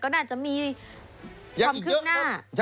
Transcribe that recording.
ก็น่าจะมีความเคลื่อนไหวอีกเยอะ